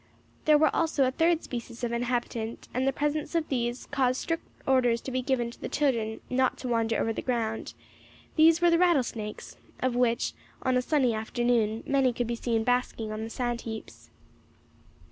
There were also a third species of inhabitant, and the presence of these caused strict orders to be given to the children not to wander over the ground; these were rattlesnakes, of which, on a sunny afternoon, many could be seen basking on the sand heaps.